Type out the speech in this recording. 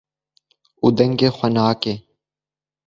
û dengê xwe nake.